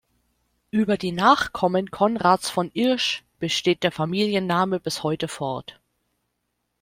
Über die Nachkommen Konrads von Yrsch besteht der Familienname bis heute fort.